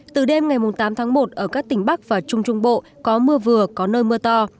từ đêm ngày tám tháng một ở các tỉnh bắc và trung trung bộ có mưa vừa có nơi mưa to